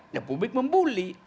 ya publik membuli